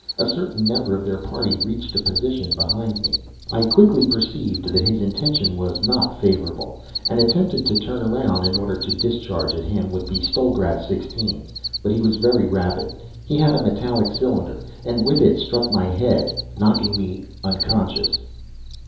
A certain member of their party reached a position behind me. I quickly perceived that his intention was not favorable, and attempted to turn around in order to discharge at him with the Stollgratz 16, but he was very rapid. He had a metallic cylinder, and with it struck my head, knocking "me" unconscious.